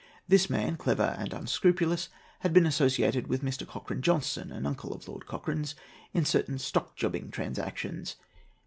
This man, clever and unscrupulous, had been associated with Mr. Cochrane Johnstone, an uncle of Lord Cochrane's, in certain stock jobbing transactions.